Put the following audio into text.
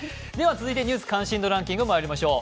続いて「ニュース関心度ランキング」にいきましょう。